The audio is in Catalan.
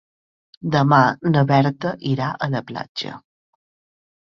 Demà na Berta irà a la platja.